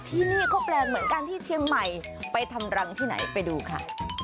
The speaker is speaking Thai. ที่นี่ก็แปลกเหมือนกันที่เชียงใหม่ไปทำรังที่ไหนไปดูค่ะ